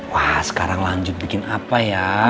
wah sekarang lanjut bikin apa ya